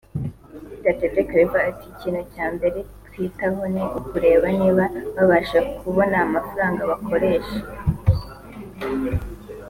Gatete Claver ati “Ikintu cya mbere twitaho ni ukureba niba babasha kubona amafaranga bakoresha